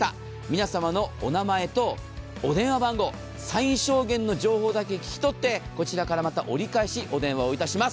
皆様のお名前とお電話番号、最小限の情報だけ聞き取って、こちらからまた折り返しお電話いたします。